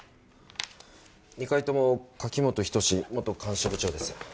２回とも柿本仁志元看守部長です。